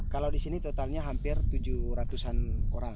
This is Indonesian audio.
kalau di sini totalnya hampir tujuh ratusan orang